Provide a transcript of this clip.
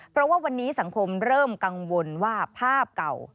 เพราะว่าวันนี้สังคมเริ่มกังวลว่าภาพเก่า